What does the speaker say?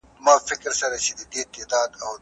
سرتېري د هېواد امنيت ساتي.